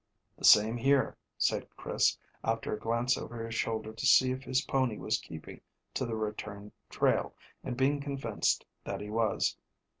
"The same here," said Chris, after a glance over his shoulder to see if his pony was keeping to the return trail, and being convinced that he was.